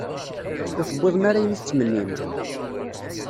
Ur tewwiḍem ara ayen i tettmennim?